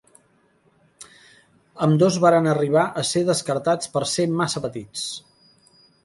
Ambdós varen arribar a ser descartats per ser massa petits.